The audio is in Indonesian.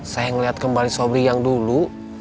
saya melihat kembali sobri yang dulu